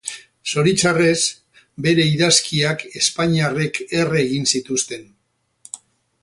Zoritxarrez, bere idazkiak espainiarrek erre egin zituzten.